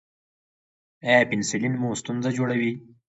ایا پنسلین مو ستونزه جوړوي؟